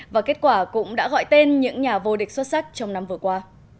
và kết quả cũng đã gọi tên những nhà vô địch xuất sắc trong năm vừa qua